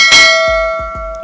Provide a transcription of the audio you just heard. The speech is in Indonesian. papa gak tau